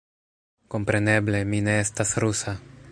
Kompreneble, mi ne estas rusa